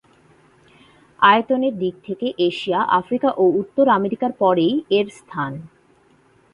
আয়তনের দিকে থেকে এশিয়া, আফ্রিকা ও উত্তর আমেরিকার পরেই এর স্থান।